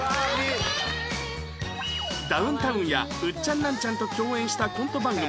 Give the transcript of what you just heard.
ダウンタウンやウッチャンナンチャンと共演したコント番組